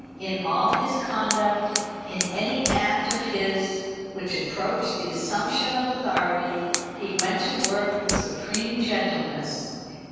In all his conduct, in any act of his which approached the assumption of authority, he went to work with supreme gentleness.